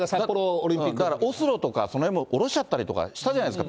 オスロとか、そのへんも下ろしちゃったりとか、したじゃないですか。